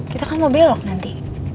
kita kan mau belok nanti